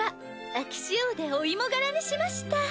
秋仕様でお芋柄にしました。